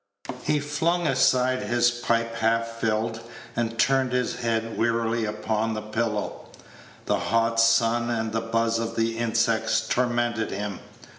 He flung aside his pipe half filled, and turned his head wearily upon the pillow. The hot sun and the buzz of the insects tormented him.